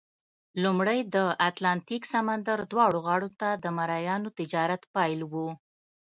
لومړی د اتلانتیک سمندر دواړو غاړو ته د مریانو تجارت پیل وو.